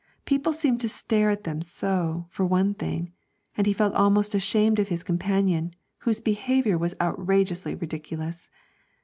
People seemed to stare at them so, for one thing, and he felt almost ashamed of his companion, whose behaviour was outrageously ridiculous.